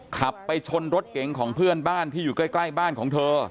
ขับไปชนรถเก๋งของเพื่อนบ้านที่อยู่ใกล้บ้านของเธอ